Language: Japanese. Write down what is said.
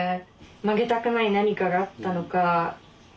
曲げたくない何かがあったのか。